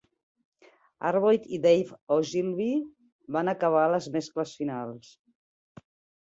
Arboit i Dave Ogilvie van acabar les mescles finals.